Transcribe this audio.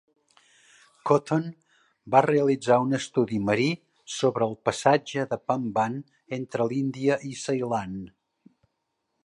Cotton va realitzar un estudi marí sobre el passatge de Pamban entre l'Índia i Ceilan.